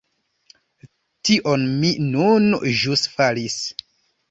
Tion mi nun ĵus faris.